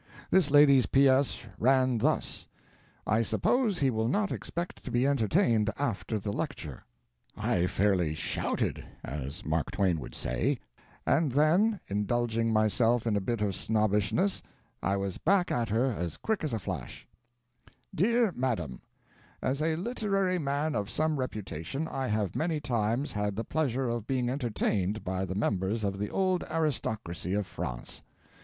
This lady's P. S. ran thus: "I suppose he will not expect to be entertained after the lecture." I fairly shouted, as Mark Twain would say, and then, indulging myself in a bit of snobbishness, I was back at her as quick as a flash: "Dear Madam: As a literary man of some reputation, I have many times had the pleasure of being entertained by the members of the old aristocracy of France.